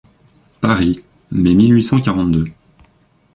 Paris, mai mille huit cent quarante-deux.